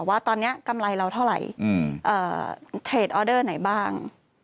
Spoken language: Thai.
ว่าตอนนี้กำไรเราเท่าไหร่เทรดออเดอร์ไหนบ้าง